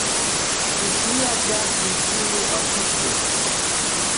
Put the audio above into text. Ishitya shintsini otsitzi.